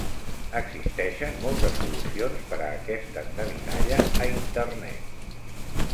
Existeixen moltes solucions per a aquesta endevinalla a Internet.